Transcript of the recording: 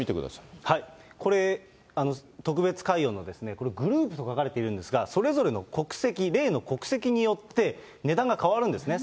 これ、特別解怨のこれ、グループに分かれてるんですが、それぞれの国籍、霊の国籍によって、値段が変わるんですね。